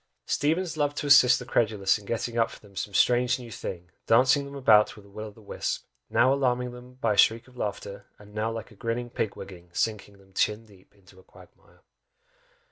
Steevens loved to assist the credulous in getting up for them some strange new thing, dancing them about with a Will o' the wisp now alarming them by a shriek of laughter! and now like a grinning Pigwigging sinking them chin deep into a quagmire!